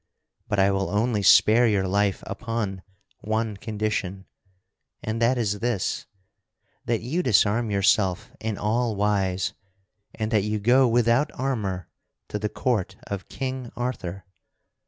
But I will only spare your life upon one condition, and that is this: That you disarm yourself in all wise, and that you go without armor to the court of King Arthur.